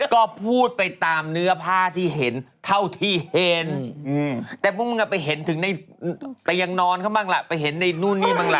ก็พูดไปตามเนื้อผ้าที่เห็นเท่าที่เห็นแต่พวกมันก็ไปเห็นถึงในเตียงนอนเขาบ้างล่ะไปเห็นในนู่นนี่บ้างล่ะ